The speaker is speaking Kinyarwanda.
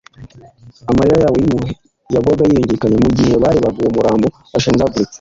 Amarira yabo y'impuhwe yagwaga yiyungikanya mu gihe barebaga uwo murambo washenjaguritse,